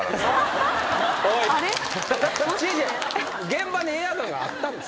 現場にエアガンがあったんです。